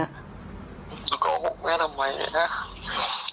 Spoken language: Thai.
มันก็ออกแม่ทำไว้